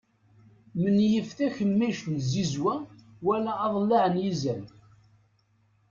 Menyif takemmict n tzizwa wala aḍellaɛ n yizan.